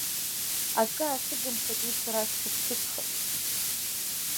Акы аасыгымхеит уи сара дсыԥҳәысхарц.